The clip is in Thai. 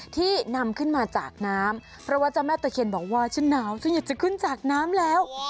ที่นำขึ้นมาจากน้ำเพราะว่าเจ้าแม่ตะเคียนบอกว่าฉันหนาวฉันอยากจะขึ้นจากน้ำแล้ว